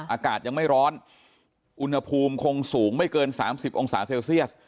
อากาศยังไม่ร้อนอุณหภูมิคงสูงไม่เกิน๓๐องศาเซลเซียส